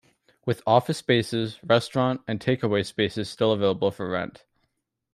With office spaces, restaurant and take away spaces still available for rent.